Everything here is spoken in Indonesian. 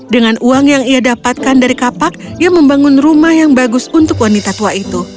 dengan uang yang ia dapatkan dari kapak ia membangun rumah yang bagus untuk wanita tua itu